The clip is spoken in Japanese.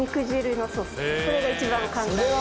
これが一番簡単な。